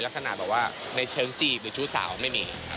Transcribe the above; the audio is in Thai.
ลักษณะแบบว่าในเชิงจีบหรือชู้สาวไม่มี